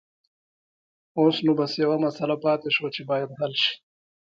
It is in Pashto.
اوس نو بس يوه مسله پاتې شوه چې بايد حل شي.